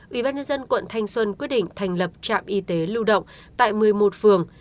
ubnd quận thanh xuân quyết định thành lập trạm y tế lưu động tại một mươi một phường